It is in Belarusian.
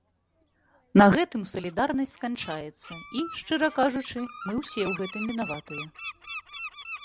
На гэтым салідарнасць сканчаецца, і, шчыра кажучы, мы ўсе ў гэтым вінаватыя.